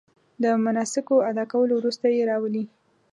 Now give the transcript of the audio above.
د مناسکو ادا کولو وروسته یې راولي.